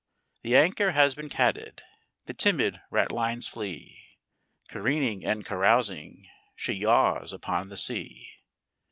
"The anchor has been catted, The timid ratlines flee, Careening and carousing She yaws upon the sea.